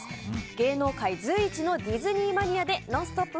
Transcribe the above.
芸能界随一のディズニーマニアで「ノンストップ！」